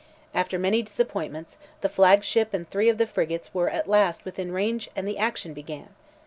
After many disappointments, the flag ship and three of the frigates were at last within range and the action began.